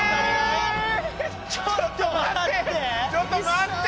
ちょっと待って。